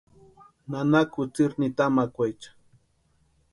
Nana kutsïiri nitamakwaecha.